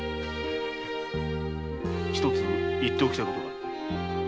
一つ言っておきたいことがある。